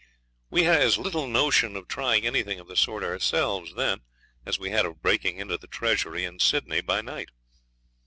We had as little notion of trying anything of the sort ourselves than as we had of breaking into the Treasury in Sydney by night.